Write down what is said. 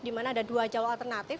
dimana ada dua jalur alternatif